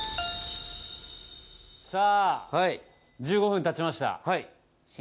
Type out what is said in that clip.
１５分たちました